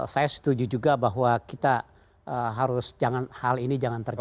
saya setuju juga bahwa kita harus hal ini jangan terjadi